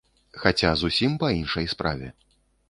Хаця зусім па іншай справе.